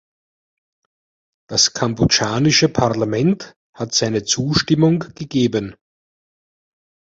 Das kambodschanische Parlament hat seine Zustimmung gegeben.